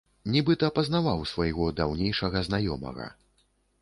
Нібыта пазнаваў свайго даўнейшага знаёмага.